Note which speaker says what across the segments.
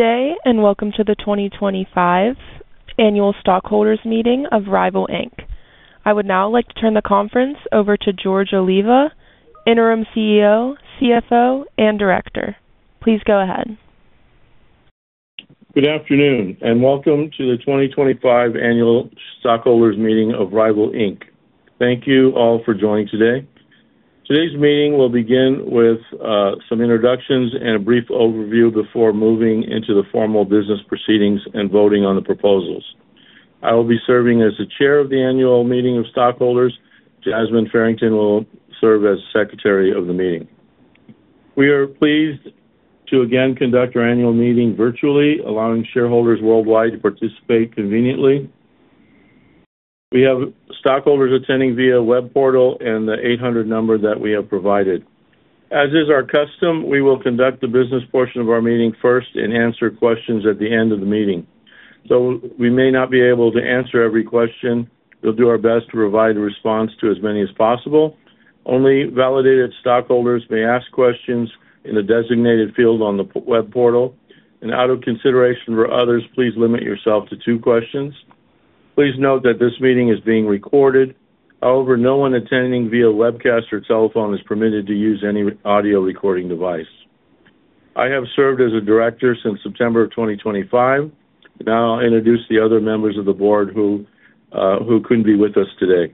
Speaker 1: Good day and welcome to the 2025 Annual Stockholders' Meeting of RYVYL Inc. I would now like to turn the conference over to George Oliva, Interim CEO, CFO, and Director. Please go ahead.
Speaker 2: Good afternoon and welcome to the 2025 Annual Stockholders' Meeting of RYVYL Inc. Thank you all for joining today. Today's meeting will begin with some introductions and a brief overview before moving into the formal business proceedings and voting on the proposals. I will be serving as the Chair of the Annual Meeting of Stockholders. Jasmine Farrington will serve as Secretary of the Meeting. We are pleased to again conduct our annual meeting virtually, allowing shareholders worldwide to participate conveniently. We have stockholders attending via web portal and the 800 number that we have provided. As is our custom, we will conduct the business portion of our meeting first and answer questions at the end of the meeting. So we may not be able to answer every question. We'll do our best to provide a response to as many as possible. Only validated stockholders may ask questions in the designated field on the web portal, and out of consideration for others, please limit yourself to two questions. Please note that this meeting is being recorded. However, no one attending via webcast or telephone is permitted to use any audio recording device. I have served as a Director since September of 2025. Now I'll introduce the other members of the board who couldn't be with us today.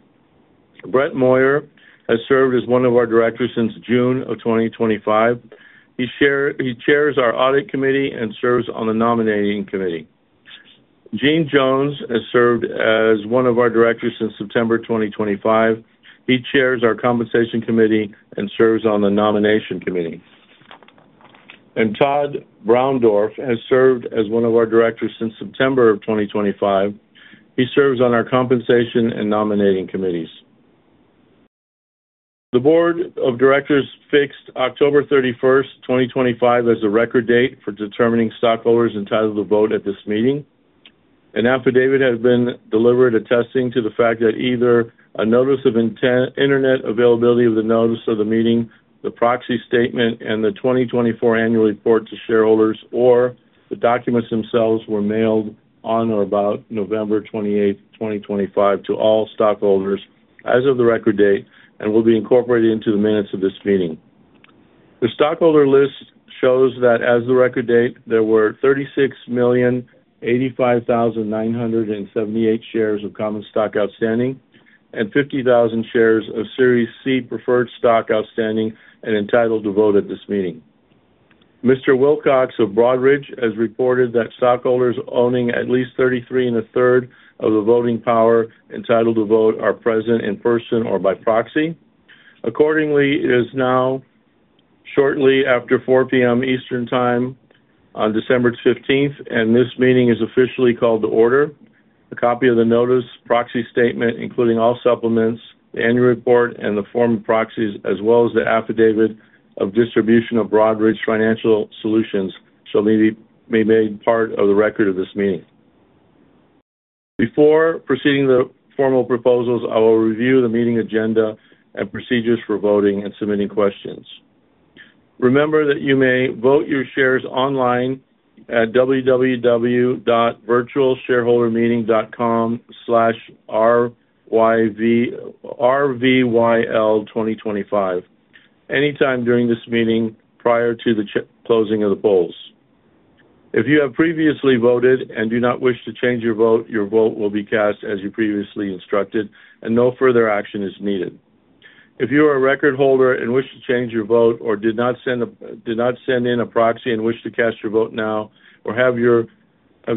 Speaker 2: Brett Moyer has served as one of our Directors since June of 2025. He chairs our Audit Committee and serves on the Nominating Committee. Gene Jones has served as one of our Directors since September 2025. He chairs our Compensation Committee and serves on the Nomination Committee, and Tod Braundorff has served as one of our Directors since September of 2025. He serves on our Compensation and Nominating Committees. The Board of Directors fixed October 31st, 2025, as the record date for determining stockholders entitled to vote at this meeting. An affidavit has been delivered attesting to the fact that either a notice of internet availability of the notice of the meeting, the proxy statement, and the 2024 Annual Report to Shareholders, or the documents themselves were mailed on or about November 28th, 2025, to all stockholders as of the record date and will be incorporated into the minutes of this meeting. The stockholder list shows that as of the record date, there were 36,085,978 shares of common stock outstanding and 50,000 shares of Series C preferred stock outstanding and entitled to vote at this meeting. Mr. Wilcox of Broadridge has reported that stockholders owning at least 33 and a third of the voting power entitled to vote are present in person or by proxy. Accordingly, it is now shortly after 4:00 P.M. Eastern Time on December 15th, and this meeting is officially called to order. A copy of the notice, Proxy Statement, including all supplements, the Annual Report, and the form of proxies, as well as the affidavit of distribution of Broadridge Financial Solutions, shall be made part of the record of this meeting. Before proceeding to the formal proposals, I will review the meeting agenda and procedures for voting and submitting questions. Remember that you may vote your shares online at www.virtualshareholdermeeting.com/rvyl2025 anytime during this meeting prior to the closing of the polls. If you have previously voted and do not wish to change your vote, your vote will be cast as you previously instructed, and no further action is needed. If you are a record holder and wish to change your vote or did not send in a proxy and wish to cast your vote now or have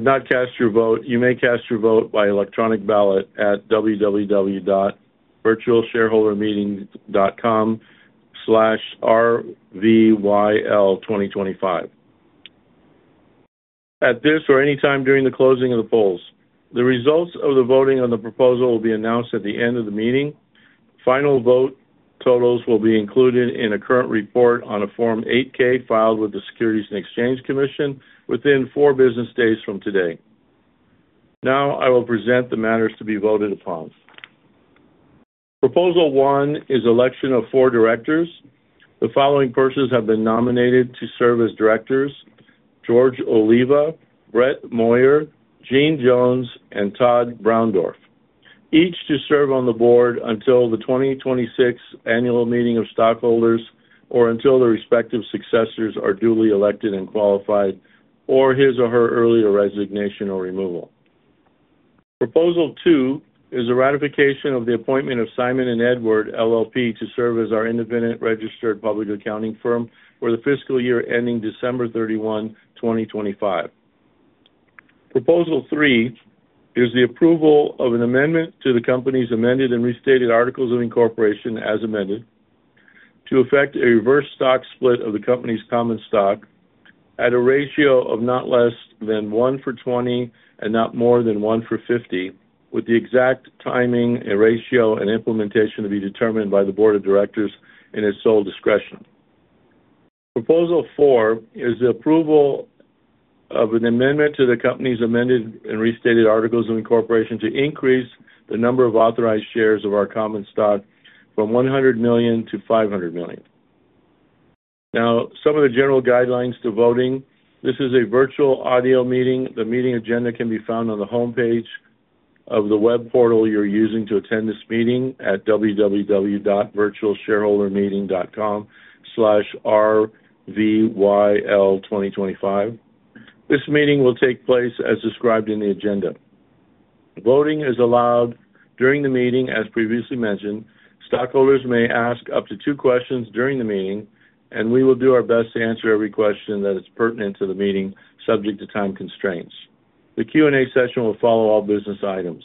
Speaker 2: not cast your vote, you may cast your vote by electronic ballot at www.virtualshareholdermeeting.com/rvyl2025. At this or anytime during the closing of the polls, the results of the voting on the proposal will be announced at the end of the meeting. Final vote totals will be included in a current report on a Form 8-K filed with the Securities and Exchange Commission within four business days from today. Now I will present the matters to be voted upon. Proposal 1 is election of four directors. The following persons have been nominated to serve as directors: George Oliva, Brett Moyer, Gene Jones, and Tod Browndorf, each to serve on the board until the 2026 Annual Meeting of Stockholders or until the respective successors are duly elected and qualified or his or her earlier resignation or removal. Proposal 2 is a ratification of the appointment of Simon & Edward, LLP, to serve as our independent registered public accounting firm for the fiscal year ending December 31, 2025. Proposal 3 is the approval of an amendment to the company's amended and restated Articles of Incorporation as amended to affect a reverse stock split of the company's common stock at a ratio of not less than one for 20 and not more than one for 50, with the exact timing, ratio, and implementation to be determined by the Board of Directors and its sole discretion. Proposal 4 is the approval of an amendment to the company's amended and restated Articles of Incorporation to increase the number of authorized shares of our common stock from 100 million to 500 million. Now, some of the general guidelines to voting. This is a virtual audio meeting. The meeting agenda can be found on the homepage of the web portal you're using to attend this meeting at www.virtualshareholdermeeting.com/rvyl2025. This meeting will take place as described in the agenda. Voting is allowed during the meeting, as previously mentioned. Stockholders may ask up to two questions during the meeting, and we will do our best to answer every question that is pertinent to the meeting, subject to time constraints. The Q&A session will follow all business items.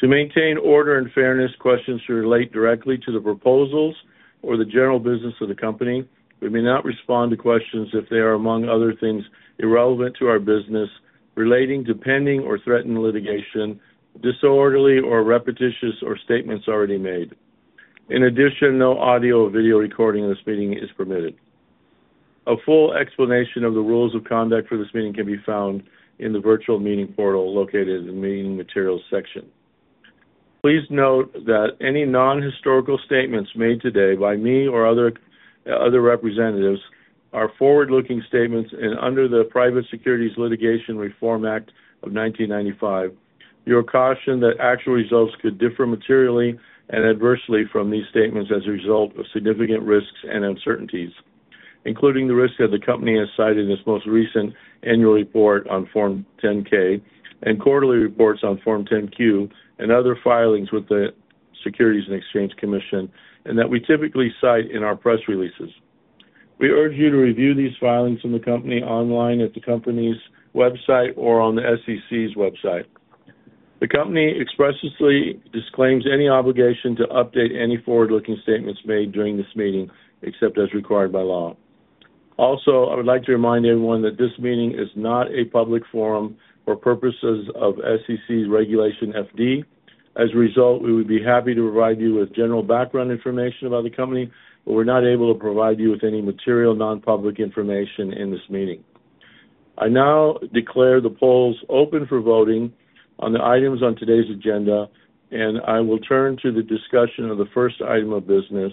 Speaker 2: To maintain order and fairness, questions should relate directly to the proposals or the general business of the company. We may not respond to questions if they are, among other things, irrelevant to our business, relating to pending or threatening litigation, disorderly or repetitious, or statements already made. In addition, no audio or video recording of this meeting is permitted. A full explanation of the rules of conduct for this meeting can be found in the virtual meeting portal located in the meeting materials section. Please note that any non-historical statements made today by me or other representatives are forward-looking statements and under the Private Securities Litigation Reform Act of 1995. You are cautioned that actual results could differ materially and adversely from these statements as a result of significant risks and uncertainties, including the risks that the company has cited in its most recent annual report on Form 10-K and quarterly reports on Form 10-Q and other filings with the Securities and Exchange Commission and that we typically cite in our press releases. We urge you to review these filings from the company online at the company's website or on the SEC's website. The company expressly disclaims any obligation to update any forward-looking statements made during this meeting, except as required by law. Also, I would like to remind everyone that this meeting is not a public forum for purposes of SEC's Regulation FD. As a result, we would be happy to provide you with general background information about the company, but we're not able to provide you with any material non-public information in this meeting. I now declare the polls open for voting on the items on today's agenda, and I will turn to the discussion of the first item of business.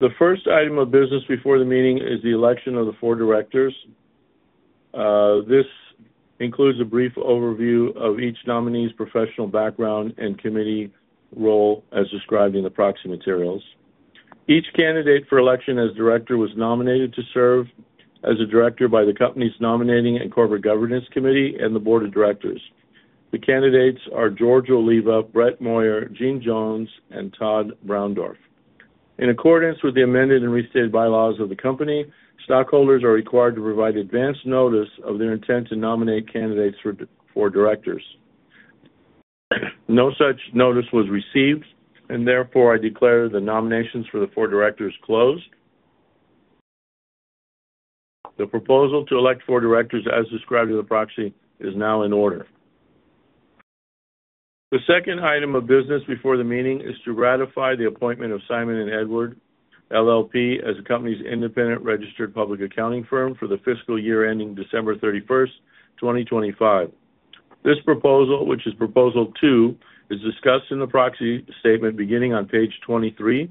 Speaker 2: The first item of business before the meeting is the election of the four directors. This includes a brief overview of each nominee's professional background and committee role as described in the proxy materials. Each candidate for election as director was nominated to serve as a director by the company's Nominating and Corporate Governance Committee and the Board of Directors. The candidates are George Oliva, Brett Moyer, Gene Jones, and Tod Browndorf. In accordance with the amended and restated bylaws of the company, stockholders are required to provide advance notice of their intent to nominate candidates for directors. No such notice was received, and therefore I declare the nominations for the four directors closed. The proposal to elect four directors as described in the proxy is now in order. The second item of business before the meeting is to ratify the appointment of Simon & Edward, LLP, as the company's independent registered public accounting firm for the fiscal year ending December 31st, 2025. This proposal, which is Proposal 2, is discussed in the proxy statement beginning on Page 23.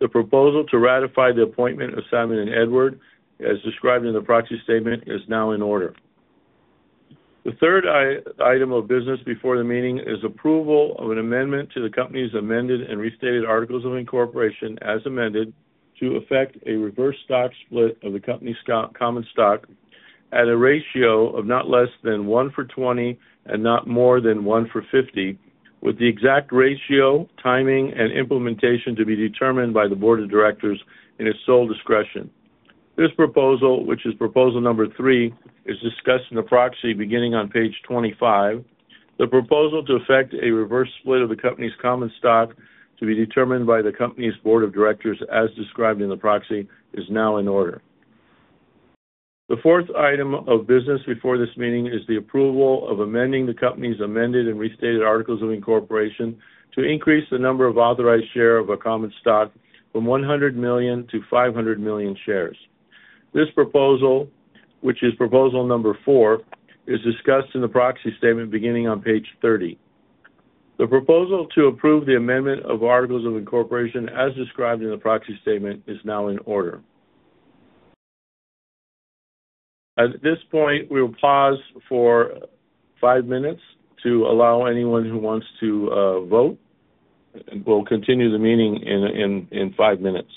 Speaker 2: The proposal to ratify the appointment of Simon & Edward, as described in the proxy statement, is now in order. The third item of business before the meeting is approval of an amendment to the company's amended and restated Articles of Incorporation as amended to effect a reverse stock split of the company's common stock at a ratio of not less than one for 20 and not more than one for 50, with the exact ratio, timing, and implementation to be determined by the Board of Directors in its sole discretion. This proposal, which is Proposal Number Three, is discussed in the proxy beginning on Page 25. The proposal to effect a reverse split of the company's common stock to be determined by the company's Board of Directors, as described in the proxy, is now in order. The fourth item of business before this meeting is the approval of amending the company's amended and restated Articles of Incorporation to increase the number of authorized shares of a common stock from 100 million to 500 million shares. This proposal, which is Proposal Number Four, is discussed in the proxy statement beginning on Page 30. The proposal to approve the amendment of Articles of Incorporation as described in the proxy statement is now in order. At this point, we will pause for five minutes to allow anyone who wants to vote. We'll continue the meeting in five minutes.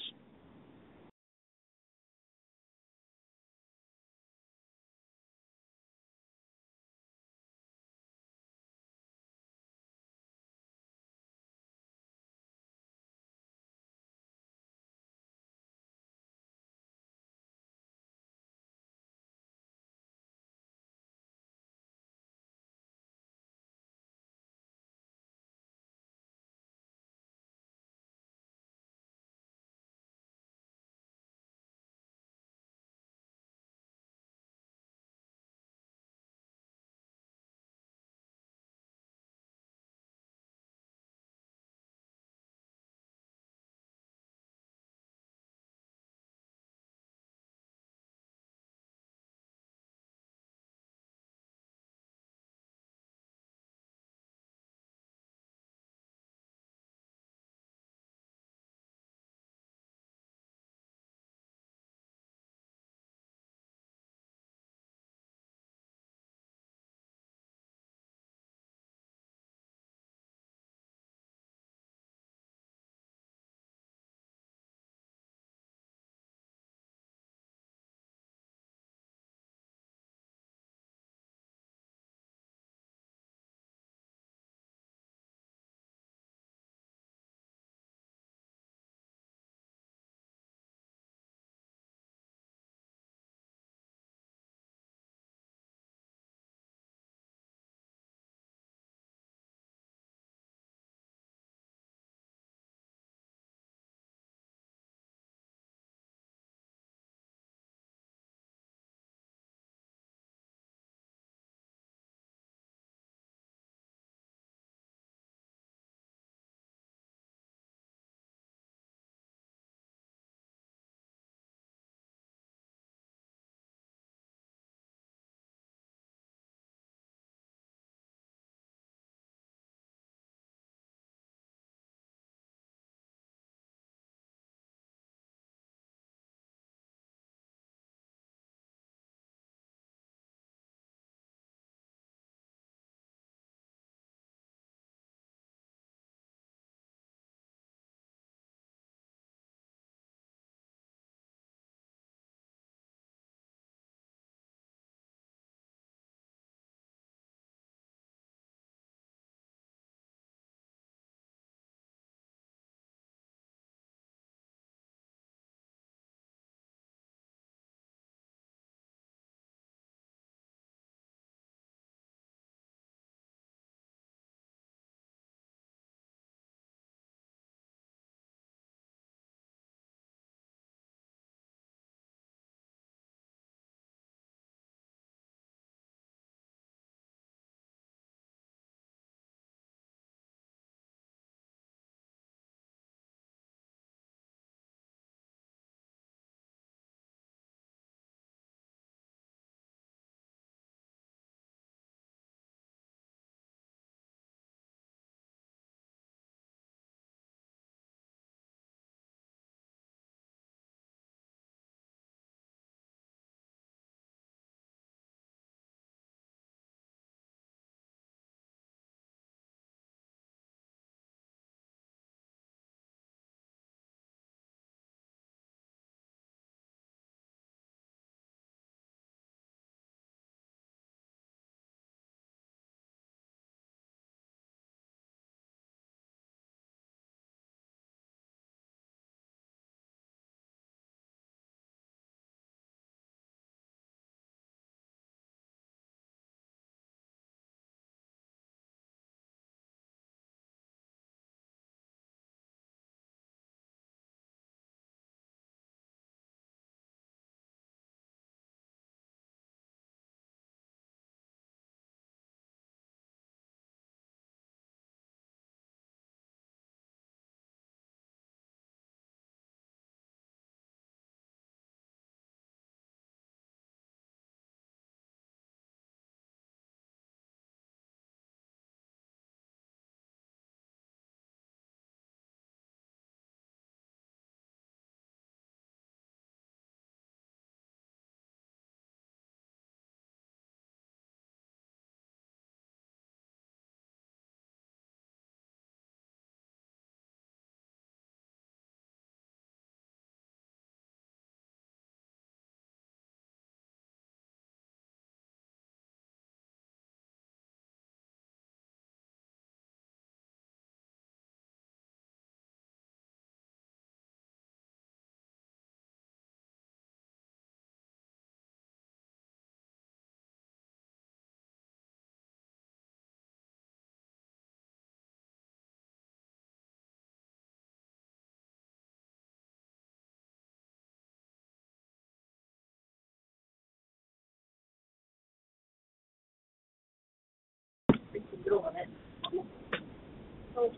Speaker 2: I'm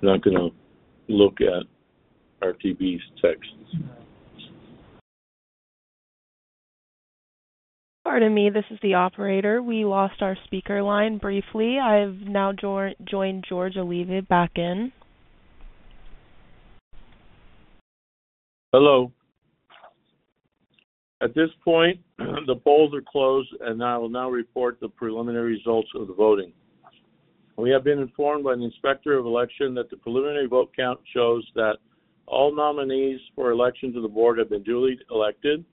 Speaker 2: not going to look at RTB's texts.
Speaker 1: Pardon me, this is the operator. We lost our speaker line briefly. I've now joined George Oliva back in.
Speaker 2: Hello. At this point, the polls are closed, and I will now report the preliminary results of the voting. We have been informed by the Inspector of Election that the preliminary vote count shows that all nominees for election to the board have been duly elected.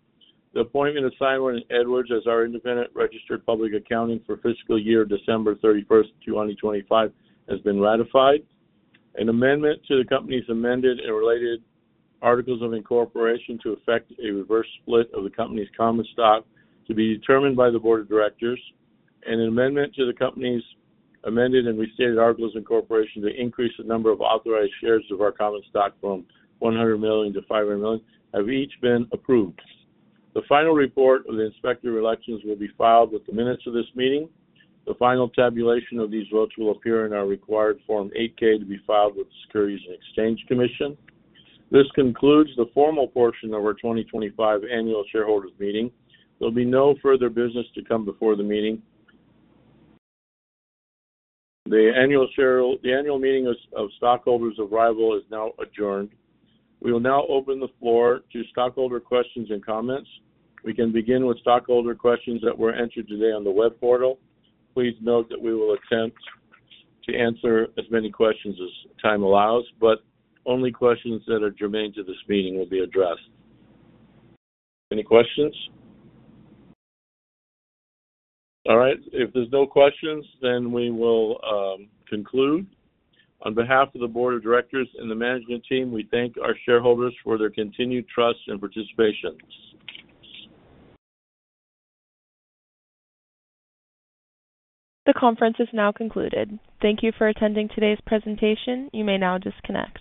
Speaker 2: The appointment of Simon & Edward as our independent registered public accounting firm for fiscal year December 31st, 2025, has been ratified. An amendment to the company's amended and restated Articles of Incorporation to effect a reverse split of the company's common stock to be determined by the board of directors. An amendment to the company's amended and restated Articles of Incorporation to increase the number of authorized shares of our common stock from 100 million to 500 million have each been approved. The final report of the Inspector of Elections will be filed with the minutes of this meeting. The final tabulation of these votes will appear in our required Form 8-K to be filed with the Securities and Exchange Commission. This concludes the formal portion of our 2025 Annual Shareholders Meeting. There will be no further business to come before the meeting. The Annual Meeting of Stockholders is now adjourned. We will now open the floor to stockholder questions and comments. We can begin with stockholder questions that were entered today on the web portal. Please note that we will attempt to answer as many questions as time allows, but only questions that are germane to this meeting will be addressed. Any questions? All right. If there's no questions, then we will conclude. On behalf of the board of directors and the management team, we thank our shareholders for their continued trust and participation.
Speaker 1: The conference is now concluded. Thank you for attending today's presentation. You may now disconnect.